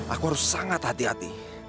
aku harus sangat hati hati